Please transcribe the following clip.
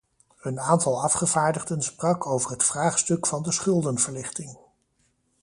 Een aantal afgevaardigden sprak over het vraagstuk van de schuldenverlichting.